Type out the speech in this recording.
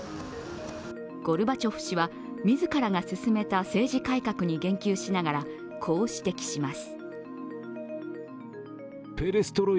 ゴルバチョフ氏は自ら進めた政治改革に言及しながらこう指摘します。